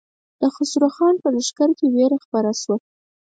د خسرو خان په لښکر کې وېره خپره شوه.